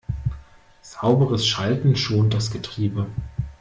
Sauberes Schalten schont das Getriebe.